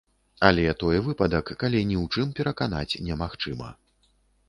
Але той выпадак, калі ні ў чым пераканаць немагчыма.